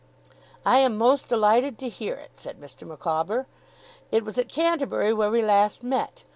'I am most delighted to hear it,' said Mr. Micawber. 'It was at Canterbury where we last met.